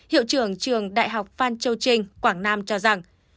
hiệu trưởng trường đại học phan châu trinh quảng nam cho rằng